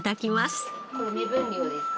これ目分量ですか？